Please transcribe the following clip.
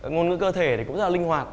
ngôn ngữ cơ thể cũng rất là linh hoạt